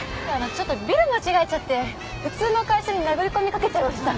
ちょっとビル間違えちゃって普通の会社に殴り込みかけちゃいました。